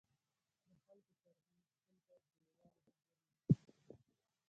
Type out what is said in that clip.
د خلکو ترمنځ تل باید د یووالي خبري وسي.